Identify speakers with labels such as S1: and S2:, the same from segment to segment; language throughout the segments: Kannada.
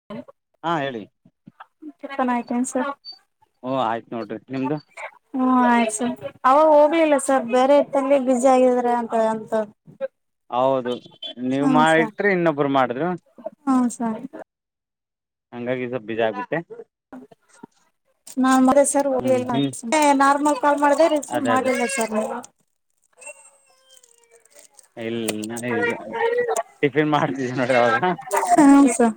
S1: [unintelligible]
S2: ಹಾ ಹೇಳಿ
S1: ಟಿಫನ್ ಆಯ್ತೇನ್ ಸರ್
S2: ಓ ಆಯ್ತು ನೋಡ್ರಿ ನಿಮ್ದು
S1: ಹ್ಮ ಆಯ್ತು ಸರ್ ಅವಾಗ ಇರಲಿಲ್ಲಾ ಸರ್ ಬೇರೆ ಇ ತುಂಬಾ ಬಿಸಿ ಆಗಿದ್ರ ಅಂತ ಅಂದ
S2: ಹೌದೌದು ನೀವ ಮಾಡಟ್ರಿ ಇನ್ನೊಬ್ಬರು ಮಾಡಿದರು.
S1: ಹ್ಮ ಸರ್
S2: ಹಂಗಾಗಿ ಬಿಜಿ ಆಗಿಬಿಟ್ಟೆ
S1: ನಾನ್ [unintelligible] ನಾರ್ಮಲ್ ಕಾಲ್ ಮಾಡದೆ ರಿಸೀವ್
S2: ಅದೇ ಅದೇ
S1: ಮಾಡ್ಲಿಲ್ಲ ಸರ್ ನೀವು
S2: ಇಲ್ಲ ನಾನ ಇ ಟಿಫಿನ್ ಮಾಡ್ತಿದ್ದೀನ [unintelligible]
S1: ಹ್ಮ ಸರ್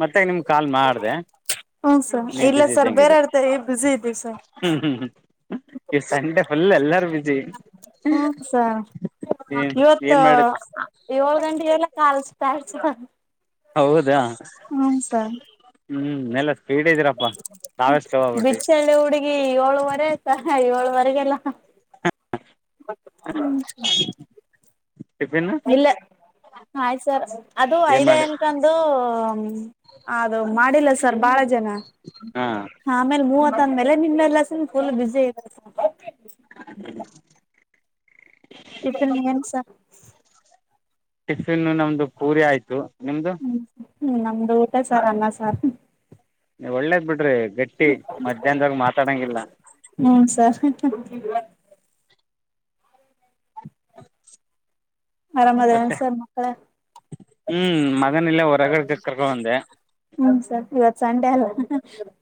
S2: ಮತ್ತೆ ನಿಮ್ಗ ಕಾಲ್ ಮಾಡ್ದೆ
S1: ಹ್ಮ ಸರ್
S2: ನೀವ್
S1: ಇಲ್ಲ ಸರ್ ಬೇರೆ ಆಡ್ತಾರೆ ಬಿಸಿ ಇದ್ದೀವಿ ಸರ್
S2: ಇವತ್ತ ಸಂಡೆ ಫುಲ್ ಎಲ್ಲಾರು ಬಿಸಿ
S1: ಹುಂ ಸಾರ್ ಇವತ್ತ
S2: ಏನ್ ಮಾಡ
S1: ಏಳ್ ಗಂಟೆಗೆಲ್ ಕಾಲ [unintelligible]
S2: ಹೌದಾ
S1: ಹುನ್ ಸರ್
S2: ಹುಂ ಇಲ್ಲ ಸ್ಪೀಡ್ ಇದೀರಪ್ಪಾ ತಾವೆಷ್ಟವ್ ಆಗ್ಬಿಟ್ಟಿ
S1: ಈ ಏಳುವರೆ ಆಯ್ತಾ ಏಳುವರೆಗೆಲ್ಲಾ
S2: ಟಿಫಿನ್
S1: ಇಲ್ಲ ಆಯ್ತು ಸರ್ ಅದು
S2: ಏನ್
S1: ಐದೇ
S2: ಮಾಡಿ
S1: ಅಂತ ಅದು ಅದು ಮಾಡಿಲ್ಲ ಸರ್ ಬಾಳ ಜನಾ
S2: ಹಾ
S1: ಹಾ ಆಮೇಲೆ ಮೂವತ್ತ ಅಂದ ಮೇಲೆ ನಿಮ್ ಎಲ್ಲಾ ಫುಲ್ ಬಿಸಿ [unintelligible]
S2: [inaudible]
S1: [unintelligible]
S2: ಟಿಫಿನ್ ನಮ್ದು ಪೂರಿ ಆಯ್ತು ನಿಮ್ದು
S1: ಹು ಹುಂ ನಮ್ದು ಊಟಾ ಸರ್ ಅನ್ನ ಸಾರು
S2: ನೀ ಒಳ್ಳೇದ್ ಬಿಡ್ರಿ ಗಟ್ಟಿ ಮಧ್ಯಾಹ್ದವಾಗ ಮಾತಾಡಂಗಿಲ್ಲಾ
S1: ಹುಂ ಸರ್ [inaudible]
S2: [unintelligible]
S1: ಆರಾಮದ
S2: ಮತ್ತೆ
S1: ಸರ್ ಮಕ್ಕಳಾ
S2: ಹ್ಮ್ ಮಗನ ಇಲ್ಲೇ ಹೊರಗಡೆ ಕರ್ಕೊಂಡ್
S1: ಹುಂ ಸರ್ ಇವತ್ತು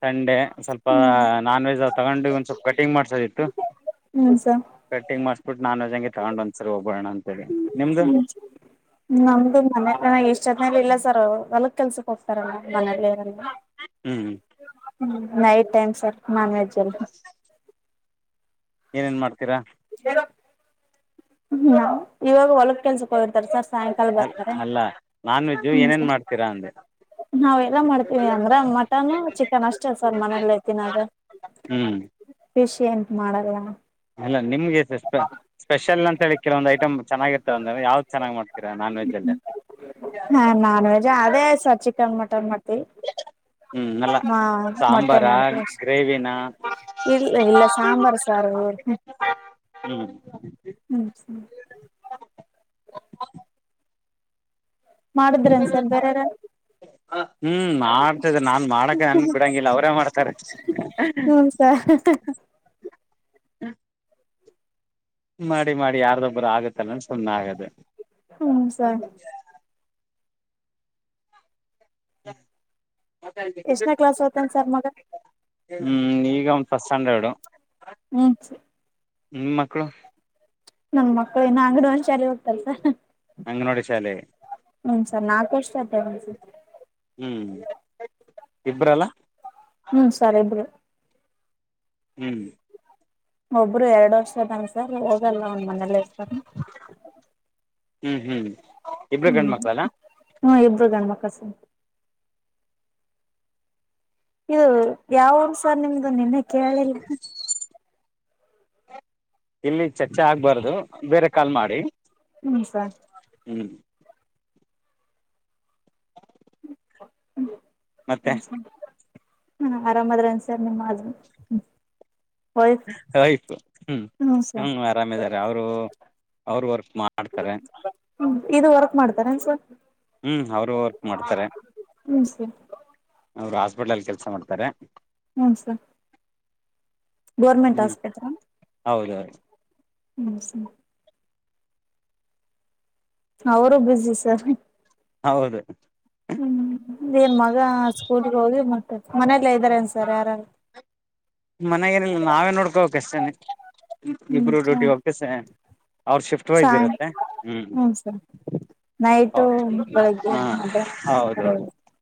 S2: ಸಂಡೇ ಸ್ವಲ್ಪ
S1: ಹ್ಮ್
S2: ನಾನವೆಜ್ ತಗೊಂಡು ಒಂದು ಸ್ವಲ್ಪ ಕಟಿಂಗ್ ಮಾಡ್ಸೋದಿತ್ತು.
S1: ಹುಂ ಸರ್
S2: ಕಟ್ಟಿಂಗ್ ಮಾಡಿಸ್ಬಿಟ್ಟು ನಾನ್ ವೆಜ್ ನಾ ಹಂಗೆ ತಗೊಂಡ್ ಒಂದ್ಸರ್ ಒಬ್ಬೋಣ ಅಂತ ಹೇಳಿ ನಿಮ್ದು
S1: [unintelligible] ನಮ್ದು ಮನ ಎಷ್ಟ್ ಅದನೇಲಿ ಇಲ್ಲ ಸರ್ ಹೊಲಗ್ ಕೆಲ್ಸಕ್ ಹೋಗ್ತಾರ ಮನಲಿ
S2: ಹುಂ
S1: ಹುಂ night time sir non veg ಅಲ್ಲಿ
S2: ಹ ಏನೇನ್ ಮಾಡ್ತೀರಾ
S1: ಹ್ಮ ಇವಾಗ ಹೊಲಕ್ ಕೆಲ್ಸಕ್ ಹೋಗಿರ್ತಾರ ಸರ್ ಸಾಯಂಕಾಲ
S2: ಅ
S1: ಬರ್ತಾರೆ
S2: ಅಲ್ಲ ನಾನ್ ವೆಜ್ಜು ಏನೇನ್ ಮಾಡ್ತೀರಾ ಅಂದೆ
S1: ನಾವೆಲ್ಲ ಮಾಡ್ತೀವಿ ಅಂದ್ರೆ ಮಟನು ಚಿಕನ್ ಅಷ್ಟೇ ಸರ್ ಮನೇಲಿ ತಿನದು
S2: ಹ್ಮ್
S1: [unintelligible] ಎಂತ ಮಾಡಲ್ಲ
S2: ಅಲ್ಲ ನಿಮ್ಗೆ ಸ ಸ್ಪೆಷಲ್ ಅಂತ ಹೇಳಿ ಕೆಲವೊಂದು ಐಟಮ್ ಚನ್ನಾಗಿರ್ತ್ತ ಅಂದ್ರ ಯಾವ್ದ ಚೆನ್ನಾಗಿ ಮಾಡ್ತೀರಾ ನಾನ್ ವೆಜ್ ಅಲ್ಲಿ ಅ
S1: ಹಾ ನಾನ್ ವೆಜ್ ಅದೇ ಸರ್ ಚಿಕನ್ ಮಟನ್ ಮಾಡ್ತಿವಿ
S2: ಹ್ಮ್ ಅಲ್ಲ
S1: ಹ ಮೊಟ್ಟೆ
S2: ಸಾಂಬಾರಾ
S1: ಮಾಡ್ತವಿ ಅಷ್ಟ
S2: ಗ್ರೇವಿನ
S1: ಇಲ್ಲ ಇಲ್ಲ ಸಾಂಬಾರ್ [unintelligible]
S2: ಹ್ಮ್
S1: ಹ್ಮ್ ಮಾಡುದ್ರೆನ್ಸರ್ ಬೇರೆವ್ರು
S2: ಹ್ಮ್ ಮಾಡ್ತದೆ ನಾನ್ ಮಾಡಕ ನನ್ ಬಿಡಂಗಿಲ್ಲ ಅವರೇ ಮಾಡ್ತಾರೆ
S1: ಹ
S2: ಮಾಡಿ ಮಾಡಿ ಯಾರದೊಬ್ಬರು ಆಗತ್ತಲ್ಲ ಸುಮ್ಮನಾಗದೆ
S1: ಹ್ಮ್ ಸರ್
S2: [inaudible]
S1: ಎಷ್ಟನೇ ಕ್ಲಾಸ್ ಹೂತನ್ ಸರ್ ಮಗ
S2: ಹ್ಮ್ ಈಗ ಒಂದ್ ಫಸ್ಟ್ ಸ್ಟಾಂಡರ್ಡು
S1: ಹ್ಮ್ ಸರ್
S2: ನಿಮ್ಮ ಮಕ್ಕಳು
S1: ನಮ್ ಮಕ್ಳ ಇನ ಅಂಗನವಾಡಿ ಶಾಲಿಗ ಹೋಗ್ತರ ಸರ್
S2: ಅಂಗನವಾಡಿ ಶಾಲೆ
S1: ಹ್ಮ್ ಸರ್ ನಾಲ್ಕುರ್ಷ [unintelligible]
S2: ಹ್ಮ್ ಇಬ್ರಲ್ಲ್
S1: ಹ್ಮ್ ಸರ್ ಇಬ್ರೂ
S2: ಹ್ಮ್
S1: ಒಬ್ರು ಎರಡ ವರ್ಷದನ್ ಸರ್ ಹೋಗಲ್ಲವನ ಮನೇಲಿರ್ತನ್
S2: ಹ್ಮ್ ಹ್ಮ್ ಇಬರು ಗಂಡ ಮಕ್ಳಲ್ಲಾ
S1: ಹ್ಮ ಇಬ್ರು ಗಣ ಮಕ್ಕಳ ಸರ್ ಇದು ಯಾವ ಸರ್ ನಿಮ್ದು ನಿನ್ನೆ ಕೇಳಿಲ್ಲ್
S2: ಇಲ್ಲಿ ಚರ್ಚೆ ಆಗ್ಬಾರ್ದು ಬೇರೆ ಕಾಲ್ ಮಾಡಿ
S1: ಹ್ಮ್ ಸರ್
S2: ಹ್ಮ್ ಮತ್ತೆ
S1: ಆರಾಮಾದ್ರೇನ ಸರ್ ನಿಮ್ಮ ಅ
S2: ಹಾಯ್ ಹ್ಮ ಹ್ಮ
S1: ಸರ್
S2: ಅರಮ ಆರಾಮಿದ್ದಾರೆ ಅವರು ಅವರು ವರ್ಕ್ ಮಾಡ್ತರೆ
S1: ಹ್ಮ ಇದು ವರ್ಕ್ ಮಾಡ್ತರೇನ ಸರ್
S2: ಹ್ಮ್ ಅವರು ವರ್ಕ್ ಮಾಡ್ತರೆ
S1: ಹ್ಮ್ ಸರ್
S2: ಅವರು ಹಾಸ್ಪಿಟ್ಲಲ್ ಕೆಲ್ಸ ಮಾಡ್ತರೆ
S1: ಹ್ಮ್ ಸರ್ ಗೋರ್ಮೆಂಟ್ ಆಸ್ಪತ್ರಾ
S2: ಹೌದೌದ
S1: ಹ್ಮ್ ಸರ್ ಅವರು ಬಿಜಿ ಸರ್
S2: ಹೌದ್
S1: ಹ್ಮ್ ಏನ್ ಮಗ ಸ್ಕೂಲ್ಗೋಗಿ ಮತ್ ಮನೆಲ್ಲೆ ಇದ್ದಾರನ್ ಸರ್ ಯಾರ್ ಯಾರು
S2: ಮನೆಗೇನಿಲ್ಲ ನಾವೇ ನೋಡ್ಕೋಬೇಕಷ್ಟೇನೆ
S1: ಹ್ಮ್
S2: ಇಬ್ಬರು ಡ್ಯೂಟಿ
S1: ಸರ್
S2: ಹೋಗ್ಕೇಸೇ ಅವ್ರ ಶಿಫ್ಟ್ ವೈಸ್
S1: ಸಾಯಂ
S2: ಇರುತ್ತೆ. ಹ್ಮ್
S1: ನೈಟು ಬೆಳಗ್ಗೆ
S2: ಹ
S1: ಮಧ್ಯಾನ ಆ ಥರ
S2: ಹೌದೌದು
S1: ಇರುತ್ತೆ.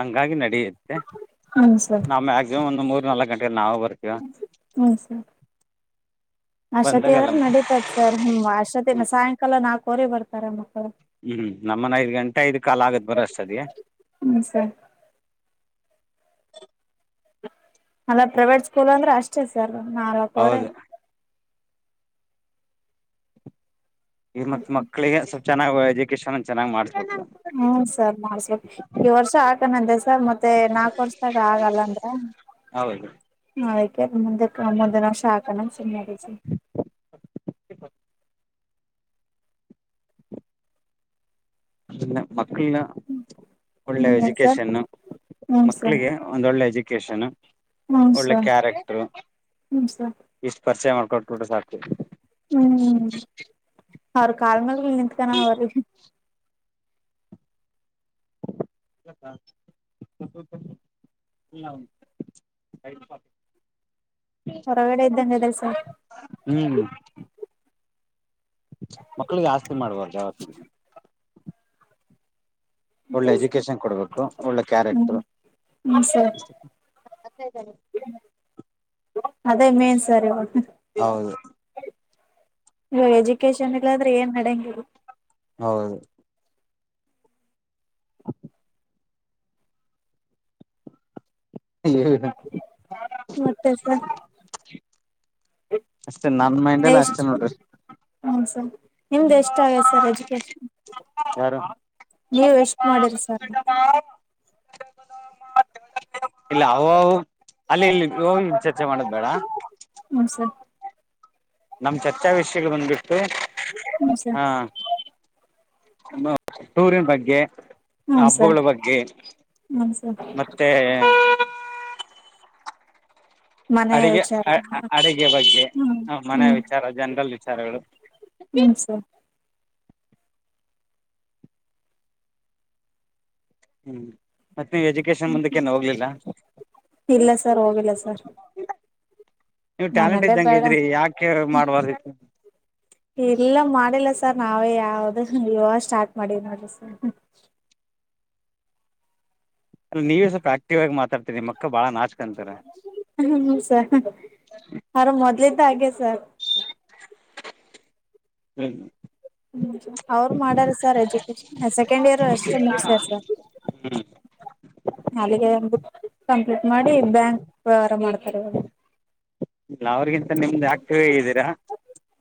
S2: ಹಂಗಾಗಿ ನಡೆಯುತ್ತೆ
S1: ಹ್ಮ್ ಸರ್
S2: ನಾವು ಮ್ಯಾಕ್ಸಿಮಮ್ ಒಂದು ಮೂರು ನಾಲ್ಕು ಗಂಟೆಗೆ ನಾವು ಬರ್ತಿ
S1: ಹ್ಮ ಸರ್ ಆಷ್ಟತಿ
S2: ಬಂದಾಗೆಲ್ಲ
S1: ಅವರು ನಡೀದ್ ಸರಿ ಮ
S2: ಹ್ಞೂ
S1: ಅಷ್ಟತ್ತಿನ ಸಾಯಂಕಾಲ ನಾಲ್ಕವರೆ ಬರ್ತಾರೆ ಮಕ್ಕಳು.
S2: ಹ್ಮ್ ನಮ್ಮನ್ ಐದು ಗಂಟೆ ಐದು ಕಾಲ್ ಆಗತೇ ಬರಅಷ್ಟ್ಟೇವತಿಗೆ
S1: ಹ್ಮ್ ಸರ್ ಅದೇ ಪ್ರೈವೇಟ್ ಸ್ಕೂಲ್ ಅಂದ್ರೆ ಅಷ್ಟೇ ಸರ್ ನಾಲ್ಕವರೆ
S2: ಹೌದು ಈ ಮತ್ ಮಕ್ಕಳಿಗೆ ಸ್ವಲ್ಪ ಚನ್ನಾಗ್ ಎಜುಕೇಶನ್ಒಂದ್ ಚೆನ್ನಗ್ ಮಾಡ್ಸಬೇಕು
S1: ಹ್ಮನ್ ಸರ್ ಮಾಡ್ಸ ಬೇಕು ಈ ವರ್ಷ ಆಕಣಂದೆ ಸರ್ ಮತ್ ಮತ್ತೆ ನಾಲ್ಕು ವರ್ಷದಾಗ ಆಗಲ್ಲಂದ
S2: ಹೌದು
S1: ಅಂದ್ರ ಹದಿಕೆ ಮುಂದೆ [unintelligible] ಸಾಕ ಅನ್ನಂಗ್ ಸುಮ್ನೆ ಆಗಿದ್ವಿ.
S2: [inaudible] ಅ ಮಕ್ಕಳನ ಒಳ್ಳೆ
S1: ಸರ್
S2: ಎಜುಕೇಶನ್
S1: ಹ್ಮ್ ಏನ್ ಸರ್ ಹ್ಮ್
S2: ಮಕ್ಕಳಿಗೆ ಒಂದಳ್ಳೆ ಎಜುಕೇಶನ್
S1: ಸರ್ ಹ್ಮ್
S2: ಒಳ್ಳೆ
S1: ಸರ್
S2: ಕ್ಯಾರೆಕ್ಟರು.
S1: ಹ್ಮ್ ಸರ್
S2: ಇಷ್ಟು ಪರಿಚಯ ಮಾಡ್ಕೊಟ್ಬಟ್ರೆ ಸಾಕು
S1: ಹ್ಮ್ ಅವ್ರ ಕಾಲ್ ಮೇಲ್ ನಿಂತ್ಕಾನ ಅವ್ರಿಗೆ
S2: [inaudible] ಹ [unintelligible]
S1: ಹೊರಗಡೆ ಇದ್ದಂಗದರೇ ಸರ್
S2: ಹ್ಮ್ ಮಕ್ಳಿಗೆ ಆಸ್ತಿ ಮಾಡಬಾರ್ದು ಯಾವತ್ತಿಗು ಒಳ್ಳೆ ಎಜುಕೇಶನ್ ಕೊಡಬೇಕು ಒಳ್ಳೆ
S1: ಹ್ಮ್
S2: ಕ್ಯಾರೆಕ್ಟರು
S1: ಹ್ಮ್ ಸರ್ ಅದೇ ಮೇನ್ ಸರ್ ಇವಾಗ
S2: ಹೌದು
S1: ಇವಗ್ ಎಜುಕೇಶನ್ ಇಲ್ಲಾಂದ್ರೆ ಏನ್ ನಡೆಂಗಿಲ್ಲ
S2: ಹೌದು ಹ್ಮ [inaudible]
S1: ಮತ್ತೆ ಸರ್
S2: ಅಷ್ಟೇ ನನ್ ಮೈಂಡ್ ಅಲ್ಲ ಅಷ್ಟೇ ನೋಡ್ರಿ
S1: ಹೂ ಸರ್ ನಿಮ್ದ ಎಷ್ಟ ಆಗ್ಯದ ಸರ್ ಎಜುಕೇಶನ್.
S2: ಯಾರು
S1: ನೀವು ಎಷ್ಟು ಮಾಡಿರಿ ಸರ್
S2: ಅ [inaudible] ಇಲ್ಲ ಅವುವು ಅಲ್ಲಿ ಇಲ್ಲಿ ಓಂ ಚರ್ಚೆ ಮಾಡದ್ ಬೇಡ
S1: ಹ್ಞೂ ಸರ್
S2: ನಮ್ ಚರ್ಚಾ ವಿಷಯಗಳು ಬಿಟ್ಟು
S1: ಹ್ಮ್ ಸರ್
S2: ಹಾ ಟೂರಿನ್ ಬಗ್ಗೆ
S1: ಹ್ಮ್ ಸರ್
S2: ಹಬ್ಬಗಳ ಬಗ್ಗೆ
S1: ಹ್ಮ್ ಸರ್
S2: ಮತ್ತೆ?
S1: ಮನೆ
S2: ಅಡಿಗೆ
S1: ವಿಚಾರ
S2: ಅ ಅ ಅಡಿಗೆ ಬಗ್ಗೆ.
S1: ಹ್ಮ್
S2: ಆ ಮನೆಯ
S1: ಹ್ಮ್
S2: ವಿಚಾರ ಜನರಲ್ ವಿಚಾರಗಳು. ಹ ತಿ [inaudible]
S1: ಹ್ಮ್ ಸರ್
S2: ಮತ್ತೆ ನೀವು ಎಜುಕೇಶನ್ ಮುಂದಕ್ಕೆೇನು ಹೋಗ್ಲಿಲ್ಲ
S1: ಇಲ್ಲ ಸರ್ ಹೋಗಿಲ್ಲ ಸರ್
S2: ನೀವು ಟ್ಯಾಲೆಂಟ್
S1: ಮನೇಲ್ಲೇ
S2: ಇದ್ದಂಗ
S1: ಬೇಡ
S2: ಇದ್ರಿ? ಯಾಕೆ ಮಾಡ್ಬಾರ್ದಿತ್ತು.
S1: ಇಲ್ಲ ಮಾಡಿಲ್ಲ ಸರ್ ನಾವೇ ಯಾವ್ದ ಇವಾಗ ಸ್ಟಾರ್ಟ್ ಮಾಡಿವಿ ನೋಡ್ರಿ ಸರ್
S2: ಅಲ್ಲ ನೀವೇ ಸ್ವಲ್ಪ ಆಕ್ಟಿವ್ ಆಗಿ ಮಾತಾಡ್ತೀರಿ ನಿಮ್ ಮಕ್ಕಳ ಬಾಳ ನಾಚ್ಕಂತರೆ.
S1: ಹ್ಮ್ ಹ್ಮ ಸರ್ ಅವರು ಮೊದ್ಲಿಂದ ಹಾಗೆ ಸರ್.
S2: ಹ್ಮ್
S1: ಹ್ಮ್ ಅವರು ಮಾಡಾರ ಸರ್ ಎಜುಕೇಶನ್ ಸೆಕೆಂಡ್ ಇಯರ್ ಅಷ್ಟೇ ಮುಗಿಸರ್ ಸರ್.
S2: ಹ್ಮ್
S1: ಅಲ್ಲಿಗೆ ಕಂಪ್ಲೀಟ್ ಮಾಡಿ ಬ್ಯಾಂಕ್ ವ್ಯವಹಾರ ಮಾಡ್ತಾರೆ ಅವರು.
S2: ಇಲ್ಲ ಅವ್ರಿಗಿಂತ ನಿಮ್ದ್ ಆಕ್ಟೀವೇ ಇದ್ದೀರಾ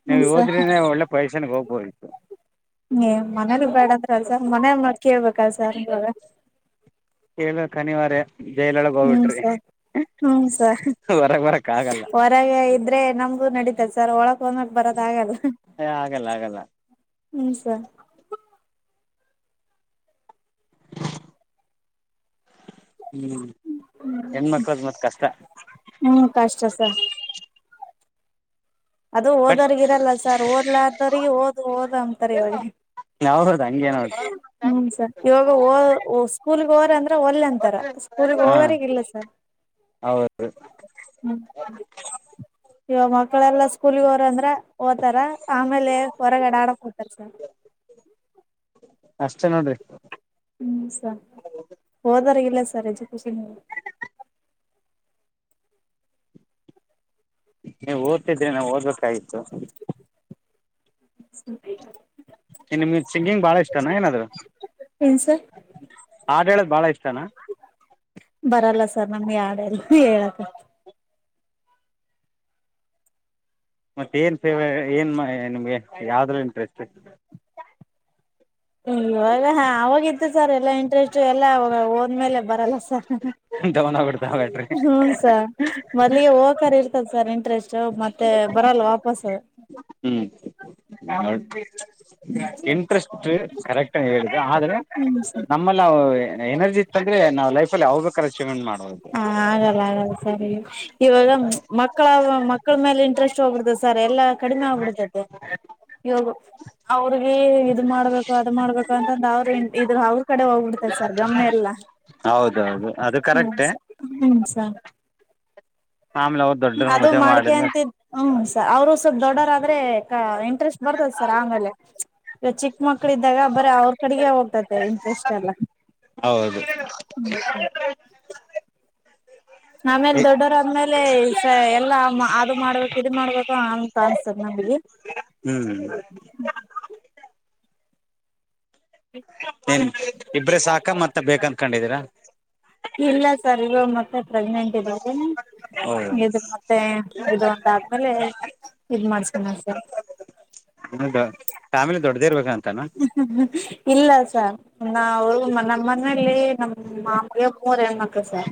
S2: ನೀವು
S1: ಹ್ಮ್ ಸರ್
S2: ಹೋದ್ರನೆ ಒಳ್ಳೆ ಪೈಸನ್ ಹೋಗ್ಬೋದು.
S1: ಹೆ ಮನೇಲ್ಲಿ ಬೇಡಂತ್ರಲ್ಲ ಸರ್ ಮನೆ ಮಾತ್ ಕೇಳ್ಬೇಕಲ್ ಸರ್ ಇವಾಗ.
S2: ಹೇಳ ಕನಿವಾರೆ ಜೈಲೊಳಗೆ
S1: ಹ್ಮ್
S2: ಹೋಗ್ಬಿಟ್ರಿ
S1: ಸರ್ ಹ್ಮ್ ಸರ್
S2: ಹೋರಾಗ್ ಬರಕ್ ಆಗಲ್ಲ.
S1: [unintelligible] ಇದ್ರೆ ನಮ್ಗೂ ನಡೀತದೆ ಸರ್ ಒಳಕ್ ಹೊದ್ಮೇಲ್ ಬರದ ಆಗಲ್ಲ.
S2: ಆಗಲ್ಲ ಆಗಲ್ಲ
S1: ಹ್ಮ್ ಸರ್
S2: ಹ್ಮ್ ಹೆಣ್ಮಕ್ಳದ್ ಮತ್ತ್ ಕಷ್ಟ.
S1: ಹ್ಮ್ ಕಷ್ಟ ಸರ್ ಅದು
S2: ಬಟ್
S1: ಓದೋರ್ಗ ಇರಲ್ಲ ಸರ್ ಓದ್ಲಾದ್ರರಿಗೆ ಓದು ಓದು ಅಂತರ್ ಇವಾಗ.
S2: ಹೌದೌದು ಹಂಗೆ ನೋಡ್.
S1: ಹ್ಮ್ ಸರ್ ಇವಾಗ ಹೋ ಸ್ಕೂಲ್ ಹೋರೆ ಅಂದ್ರೆ ಒಲ್ಯೆ ಅಂತಾರ ಸ್ಕೂಲ್
S2: ಹಾ
S1: ಹೋಗರೆಗಿಲ್ಲ ಸರ್
S2: ಹೌದು
S1: ಹ್ಮ. ಇವ ಮಕ್ಕಳೆಲ್ಲಾ ಸ್ಕೂಲ್ಗೆ ಹೋರೆ ಅಂದ್ರೆ ಓತಾರ ಆಮೇಲೆ ಹೊರಗಡೆ ಆಡಕ್ ಹೋಗತಾರ ಸರ್.
S2: ಅಷ್ಟೇ ನೋಡ್ರಿ.
S1: ಹ್ಮ್ ಸರ್ ಹೋದ್ರಗಿಲ್ಲ ಸರ್ ಎಜುಕೇಶನ್.
S2: ಹೆ ಓದತ್ತಿದೆ ನಾ ಓದ್ಬೇಕಾಗಿತ್ತು.
S1: ಸ [unintelligible]
S2: ಹೆ ನಿಮ್ಮಗೆ ಸಿಂಗಿಂಗ್ ಬಾಳ ಇಷ್ಟಾನ ಏನ ಅದು
S1: ಏನ್ ಸರ್
S2: ಹಾಡ್ ಹೇಳದ್ ಬಾಳ ಇಷ್ಟನಾ.
S1: ಬರಲ್ಲ ಸರ್ ನಮಗೆ ಹಾಡೇಲ್ಲ ಹೇಳಕ.
S2: ಮತ್ತ ಏನ್ ಫೇವ್ ಏನ್ ನಿಮ್ಗೆ ಯಾವದ್ರೂರಲ್ಲಿ ಇಂಟ್ರೆಸ್ಟ್.
S1: ಇವಾಗ ಹಾ ಅವಾಗ ಇತ್ತು ಸರ್ ಎಲ್ಲಾ ಇಂಟ್ರೆಸ್ಟ್ ಎಲ್ಲಾ ಹೊದ್ಮೆಲ್ಲೆ ಬರಲ್ಲ ಸರ್.
S2: ಬಿಡ್ತಾವ್ ಬ್ಯಾಟ್ರಿ.
S1: ಮೊದಲಿಗೆ ಹೋಗಕರ್ ಇರ್ತದ ಸರ್ ಇಂಟ್ರೆಸ್ಟ್ ಮತ್ತೆ ಬರಲ್ಲ ವಾಪಸ್.
S2: ಹ್ಮ್ ನೋಡಿ
S1: ಹ್ಮ್ ಸರ್
S2: ಇಂಟ್ರೆಸ್ಟ್ ಕರೆಕ್ಟ್ ಆಗಿ ಹೇಳಿ. ಆದ್ರೆ
S1: ಹ್ಮ್ ಸರ್
S2: ನಮ್ಮಲ್ಲಿ ಅವು ಎನರ್ಜಿ ಇತ್ತಂದ್ರೆ ನಾವು ಲೈಫ ಅಲ್ಲಿ ಅವ್ ಬೇಕಾದ ಅಚೀವ್ಮೆಂಟ್ ಮಾಡ್ಬಹದು.
S1: ಹ ಆಗಲ್ಲ ಹಾಗಲ್ಲ ಸರ್ ಈಗ. ಇವಾಗ ಮಕ್ಕಳ ಮಕ್ಕಳ ಮೇಲೆ ಇಂಟ್ರೆಸ್ಟ್ ಹೋಗ್ಬಿಡ್ತದೆ ಸರ್ ಎಲ್ಲಾ ಕಡಿಮೆ ಆಗ್ಬಿಡ್ತೈತಿ. ಇವಾಗ ಅವರಿಗಿ ಇದ್ ಮಾಡ್ಬೇಕು ಅದ್ ಮಾಡ್ಬೇಕು ಅಂತಂದ್ ಅವರು ಇದು ಅವರ ಕಡೆ ಹೋಗ್ಬಿಡ್ತದ ಸರ್ ಗಮನ ಎಲ್ಲಾ
S2: ಹೌದೌದು ಅದು
S1: ಹ್ಮ.
S2: ಕರೆಕ್ಟೇ
S1: ಹ್ಸ್ ಸರ್
S2: ಆಮೇಲ್ ಅವರ್
S1: ಅದು ಮಾಡ್ಕ್ಯಂತಿದ್ ಹ್ಮ ಸರ್ ಅವರು ಸ್ವಲ್ಪ್ ದೊಡ್ಡವ್ರದ್ರೆ ಇಂಟ್ರೆಸ್ಟ್ ಬರ್ತದ ಸರ್ ಆಮೇಲೆ. ಚಿಕ್ಕ ಮಕ್ಕಳು ಇದ್ದಾಗ ಬರೀ ಅವರು ಕಡೆಗೆ ಹೋಗ್ತತೆ ಇಂಟ್ರೆಸ್ಟ್ ಎಲ್ಲ.
S2: ಹೌದು
S1: ಹ್ಮ್ ಸರಿ ಆಮೇಲೆ ದೊಡ್ಡವರು ಆದ್ಯ ಇಲ್ಲೇ ಎಲ್ಲ ಅದು ಮಾಡ್ಬೇಕು ಇ ಮಾಡ್ಬೇಕು ಅಂತ ಅನ್ಸ್ತದೆ ನಮಗೆ.
S2: ಹ್ಮ್ ನ್ ಇಬ್ರೇ ಸಾಕ ಮತ್ತ ಬೇಕನ್ಕೊಂಡಿದೀರಾ.
S1: ಇಲ್ಲ ಸರ್ ಇವಾಗ ಮತ್ತೆ ಪ್ರೆಗ್ನೆಂಟ್ ಇದೀನಿ
S2: ಓ
S1: ಇದು ಮತ್ತೆ ಇದು ಒಂದಾದ್ಮೇಲೆ ಇದ ಮಾಡ್ಸೀನ ಸಾ
S2: ಅಂಗಾ ಫ್ಯಾಮಿಲಿ ದೊಡ್ಡದ ಇರ್ಬೇಕಂತಾನ.
S1: ಇಲ್ಲ ಸಾ ನಾವು ನಮ್ಮ. ಮನಲ್ಲಿ ನಮ್ಮ್ ಮಾಮೂಗೆ ಮೂವರ್ ಹೆಣ್ ಮಕ್ಳು ಸರ್.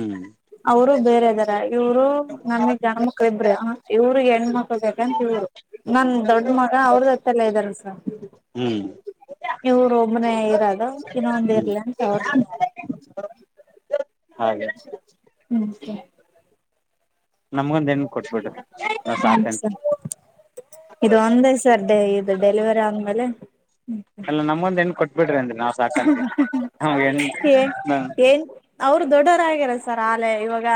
S2: ಹ್ಮ್
S1: ಅವರು ಬೇರೆ ಇದಾರ ಇವರು ನಮಗ್ ಗಂಡ್ ಮ ಇಬ್ರು ಇವ್ರಿಗೆ ಹೆಣ್ಮ ಮಕ್ಳ ಬೇಕಂತ ಇವ್ರು. ನನ್ ದೊಡ್ ಮಗ ಅವ್ರದೊತ್ತೆಲ್ಲಾ ಇದ್ದಾರ ಸಾ
S2: ಹ್ಮ್
S1: ಇವರು ಒಮ್ಮನೆೇ ಇರೋದು ಇನ್ನೊಂದ
S2: ಹ್ಮ್
S1: ಇರ್ಲಿ ಅಂತ ಅವರ್
S2: ಹಾಗೆ
S1: ನಮಸ್ತೆ [inaudible]
S2: ನಮಗೊಂದ್ ಹೆಣ್ ಕೊಟ್ಬಿಟ್ಟರಿ ನಾವ್
S1: ಸರ್
S2: ಸಾಕಂತವ್
S1: ಇದು ಒಂದೇ ಸರ್ ಇದು ಡೆಲಿವರಿ ಆದ್ಮೇಲೆ
S2: ಅಲ್ಲ ನಮ್ಮೊಂದ ಹೆಣ್ ಕೊಟ್ ಬಿಡ್ರಿ ಅಂದೆ ನಾವ್ ಸಾಕಂತೀವಿ ನಮ್ಗ್ ಹೆಣ್
S1: ಏನ್ [inaudible] ಅವರು ದೊಡ್ಡೋರಗ್ಯಾರ ಸರ್ ಆಲೇ ಇವಾಗ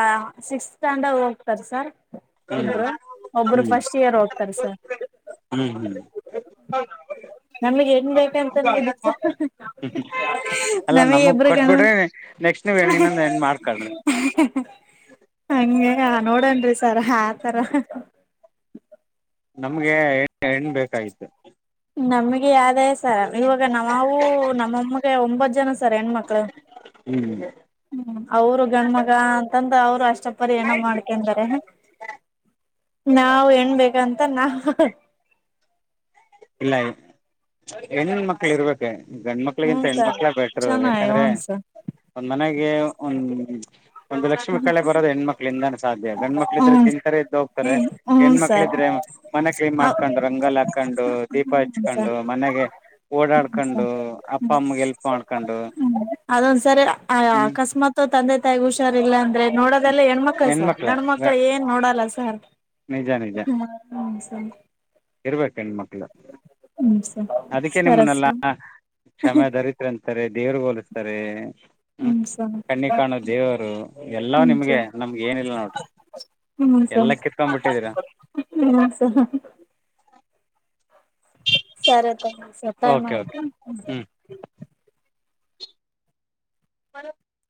S1: ಸಿಕ್ಸ್ ಸ್ಟ್ಯಾಂಡರ್ ಹೋಗ್ತಾರ ಸರ್
S2: ಹ್ಮ್
S1: ಇಬ್ರು ಒಬ್ರು ಫಸ್ಟ್ ಇಯರ್ ಹೋಗ್ತಾರ ಸರ್
S2: ಹ್ಮ್ ಹ್ಮ್
S1: ನಮಗೆ ನ್ ಬಂತ ನ
S2: ಅಲ್ಲ
S1: ನಮಗ್ ಇಬರು ಗಣ
S2: ಕೊಟ್ಬಿಡ್ರಿ ನೆಕ್ಸ್ಟ್ ನೀವ್
S1: [inaudible] ಹ
S2: ಹೆಣ್ಣಿನೊಂದ್ ಹೆಣ್ ಮಾಡ್ಕೊಳ್ರಿ
S1: [inaudible] ಹಂಗೆ ನೋಡನ್ ರೀ ಸರ್ ಆತರ
S2: ನಮ್ಗೆ ಹೆಣ್ ಹೆಣ್ ಬೇಕಾಗಿತು
S1: ನಮ್ಗೆ ಯಾವ್ದೇ ಸ ಇವಾಗ ನಾವು ನಮ್ಮಮ್ಮಗೆ ಒಂಬತ್ತು ಜನ ಸರ್ ಹೆಣ್ ಮಕ್ಳು
S2: ಹ್ಮ್
S1: ಹ್ಮ್ ಅವರು ಗಣ್ಮಗ ಅಂತಂದ ಅವ್ರು ಅಷ್ಟ ಪರಿ ಏನ ಮಾಡ್ಕ ಯಾಕೆಂದರೆ ನಾವು ಹೆಣ್ ಬೇಕಂತ ನಾವ್
S2: ಇಲ್ಲ ಹೆಣ ಮಕ್ಳ ಇರ್ಬೇಕೆ
S1: ಹ್ಮ
S2: ಗಂಡ್ಮಕ್ಳಿಗಿಂತ
S1: ಸರ್
S2: ಹೆಣ್ಮಕ್ಳೇ ಬೆಟ್ರು
S1: ಚೆನ್ನಾಗಿ
S2: ಯಾಕಂದ್ರೆ
S1: ಹ್ಞ ಸರ್
S2: ಒಂದ್ ಮನೆಗೆ ಒಂದ್ ಒಂದು ಲಕ್ಷ್ಮಿ ಕಳೆ ಬರೋದು ಹೆಣ್ಮಕ್ಳಿಂದಾನೆ ಸಾಧ್ಯ ಗಂಡ್ಮ ಮಕ್ಳ ಇದ್ರೆ ತಿಂತಾರೆ ಇದ್ದ
S1: ಹ್ಞ
S2: ಹೋಗ್ತಾರೆ
S1: ಹ್ಞ
S2: ಹೆಣ್ಮಕ್ಳ
S1: ಸರ್
S2: ಇದ್ರೆ ಮನೆ ಕ್ಲೀನ್
S1: ಹ
S2: ಮಾಡ್ಕೊಂಡು ರಂಗೋಲೆ ಹಾಕೊಂಡು. ದೀಪ
S1: ಹ್ಮ ಸರ್
S2: ಹಚ್ಕೊಂಡು ಮನೆಗೆ.
S1: ಹ್ಮ
S2: ಓಡಾಡ್ಕೊಂಡು
S1: ಸರ್
S2: ಅಪ್ಪ
S1: ಹ್ಮ
S2: ಅಮ್ಮಗೆ ಹೆಲ್ಪ್ ಮಾಡ್ಕೊಂಡು
S1: ಅದೊಂದ್ಸರಿ
S2: ಹ್ಞೂ
S1: ಅಕಸ್ಮಾತ್ ತಂದೆ ತಾಯಿಗ್ ಹುಷಾರ ಇಲ್ಲಾ ಅಂದ್ರೆ ನೋಡದೆಲ್ಲ ಹೆಣ್ಮಕ್ಳ್ ಸರ್
S2: ಹೆಣ್ಮಕ್ಳೇ
S1: ಗಂಡ ಮಕ್ಳ ಏನ್ ನೋಡಲ್ಲ ಸರ್
S2: ನಿಜ ನಿಜ
S1: ಸ
S2: ಇರ್ಬೇಕು ಹೆಣ್ಮಕ್ಳು
S1: ಹ್ಮ್ ಸರ್
S2: ಅದಕ್ಕೆ
S1: ಸರಿ
S2: ನಿಮ್ಮನ್ನೆಲ್ಲಾ
S1: ಸರ್
S2: ಕ್ಷಮೆ ದರಿತ ಅಂತಾರೆ ದೇವರು ಹೋಲಿಸ್ತಾರೆ. ಹ್ಮ್ ಕಣ್ಣಿಗ್ ಕಾಣು ದೇವರು ಎಲ್ಲಾ
S1: ಹ್ಮ್
S2: ನಿಮ್ಗೆ
S1: ಸರ್
S2: ನಮ್ಗೆ ಏನಿಲ್ಲ ನೋಡ್ರಿ ಎಲ್ಲ ಕಿತ್ಕೊಂಡ್ಬ ಬಿಟ್ಟಿದೀರಾ
S1: ಹ್ಮ ಸ [inaudible] ಸರಿ ತ
S2: ಓಕೆ ಓಕೆ
S1: ಸತ್ತಾಯಯ್ತು
S2: ಹ್ಞೂ
S1: [unintelligible]
S2: ಭಾರತ್